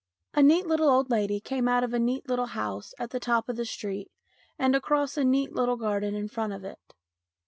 A neat little old lady came out of a neat little house at the top of the street and across a neat little garden in front of it.